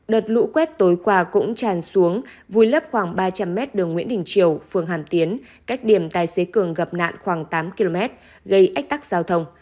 đợt lũ quét tối qua cũng tràn xuống vùi lấp khoảng ba trăm linh mét đường nguyễn đình triều phường hàm tiến cách điểm tài xế cường gặp nạn khoảng tám km gây ách tắc giao thông